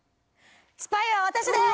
スパイは私です！